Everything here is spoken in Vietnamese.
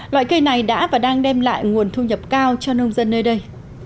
loại cây này đã và đang đem lại nguồn thu nhập cao cho nông dân nơi đây